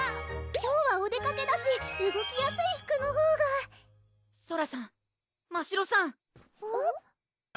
今日はお出かけだし動きやすい服のほうがソラさんましろさん